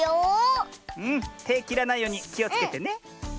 てきらないようにきをつけてね。